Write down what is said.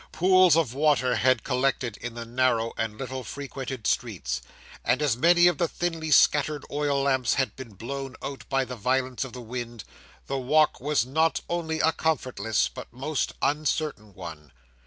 Pools of water had collected in the narrow and little frequented streets, and as many of the thinly scattered oil lamps had been blown out by the violence of the wind, the walk was not only a comfortless, but most uncertain one.